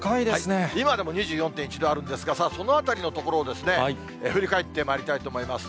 今でも２４．１度あるんですが、さあそのあたりのところを、振り返ってまいりたいと思います。